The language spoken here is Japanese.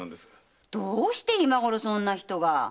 どうして今ごろそんな人が？